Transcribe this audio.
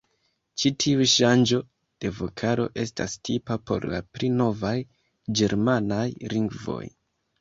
Ĉi tiu ŝanĝo de vokalo estas tipa por la pli novaj ĝermanaj lingvoj.